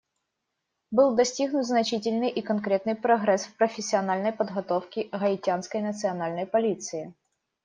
Был достигнут значительный и конкретный прогресс в профессиональной подготовке Гаитянской национальной полиции.